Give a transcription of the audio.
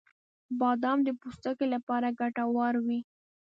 • بادام د پوستکي لپاره ګټور وي.